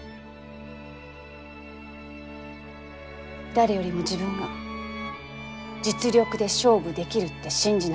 誰よりも自分が実力で勝負できるって信じなさい。